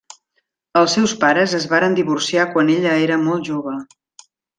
Els seus pares es varen divorciar quan ella era molt jove.